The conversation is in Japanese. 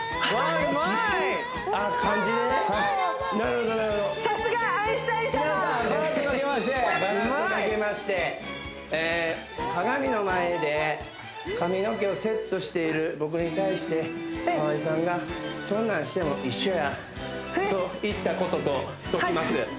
稲田さん薔薇とかけまして薔薇とかけまして鏡の前で髪の毛をセットしている僕に対して河井さんがそんなんしても一緒やと言ったこととときます